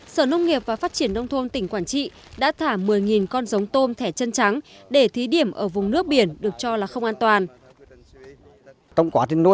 sở nông nghiệp và phát triển nông thôn tỉnh quảng trị đã thả một mươi con giống tôm thẻ chân trắng để thí điểm ở vùng nước biển được cho là không an toàn